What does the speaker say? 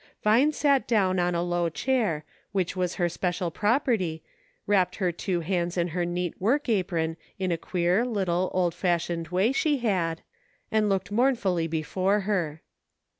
20 "march! I SAID." Vine sat down on a low chair, which was her special property, wrapped her two hands in her neat work apron in a queer, little, old fashioned way she had, and looked mournfully before her.